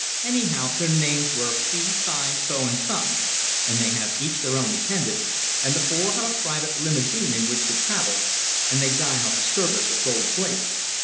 Anyhow, their names are Fe, Fi, Fo, and Fum, and they have each their own attendant, and the four have a private limousine in which to travel, and they dine off a service of gold plate.